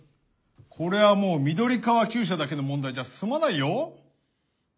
これはもう緑川厩舎だけの問題じゃ済まないよ。